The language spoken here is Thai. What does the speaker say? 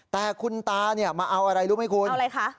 แต่คุณตาเนี่ยมาเอาอะไรรู้ไหมคุณเอาอะไรคะ